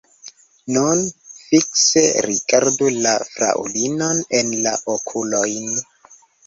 Nun fikse rigardu la fraŭlinon en la okulojn.